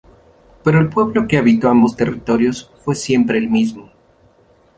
Pero el pueblo que habitó ambos territorios fue siempre el mismo.